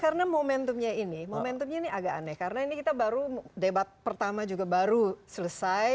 karena momentumnya ini agak aneh karena ini kita baru debat pertama juga baru selesai